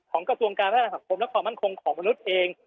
กระทรวงการพัฒนาสังคมและความมั่นคงของมนุษย์เอง